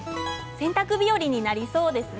洗濯日和になりそうですね。